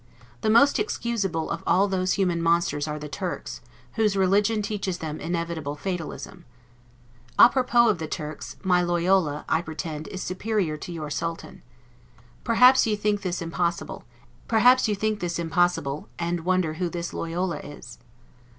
The most excusable of all those human monsters are the Turks, whose religion teaches them inevitable fatalism. A propos of the Turks, my Loyola, I pretend, is superior to your Sultan. Perhaps you think this impossible, and wonder who this Loyola is.